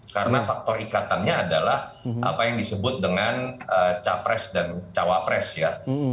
karena faktor ikatannya adalah apa yang disebut dengan capres dan cawapres ya